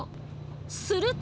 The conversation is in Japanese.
すると。